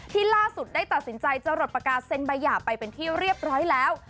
ที่ล่าสุดได้ตัดสินใจจะหลดประกาศเซ็นใบหย่าไปเป็นที่เรียบร้อยแล้ว